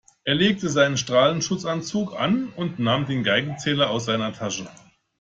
Er legte seinen Strahlenschutzanzug an und nahm den Geigerzähler aus seiner Tasche.